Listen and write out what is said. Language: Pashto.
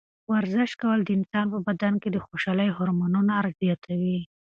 ورزش کول د انسان په بدن کې د خوشحالۍ هورمونونه زیاتوي.